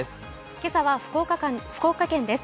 今朝は福岡県です